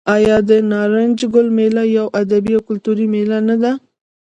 آیا د نارنج ګل میله یوه ادبي او کلتوري میله نه ده؟